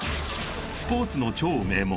スポーツの超名門